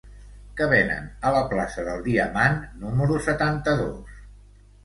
Què venen a la plaça del Diamant número setanta-dos?